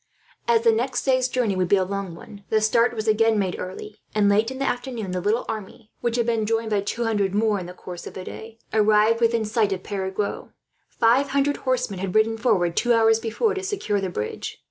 As the next day's journey would be a long one, the start was again made early; and late in the afternoon the little army, which had been joined by two hundred more in the course of the day, arrived within sight of Perigueux. Five hundred horsemen had ridden forward, two hours before, to secure the bridge.